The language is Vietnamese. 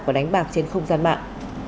và đánh bạc trên không gian mạng